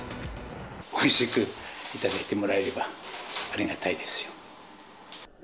おいしく頂いてもらえればありがたいですよ。